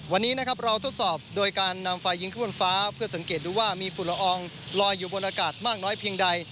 วันนี้นะครับเราทดสอบโดยการนำไฟยิงขึ้นบนฟ้าเพื่อสังเกตดูว่ามีฝุ่นละอองลอยอยู่บนอากาศมากน้อยเพียงใด